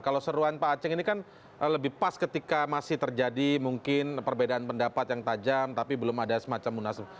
kalau seruan pak aceh ini kan lebih pas ketika masih terjadi mungkin perbedaan pendapat yang tajam tapi belum ada semacam munaslup